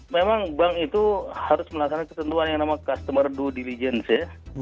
memang bank itu harus melaksanakan ketentuan yang nama customer due diligence ya